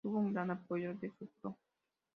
Tuvo un gran apoyo de su Pro.